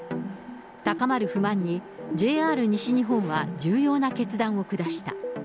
高まる不満に、ＪＲ西日本は重要な決断を下した。